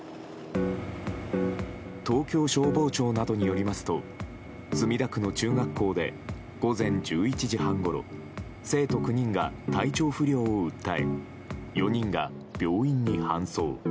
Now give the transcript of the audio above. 東京消防庁などによりますと墨田区の中学校で午前１１時半ごろ生徒９人が体調不良を訴え４人が病院に搬送。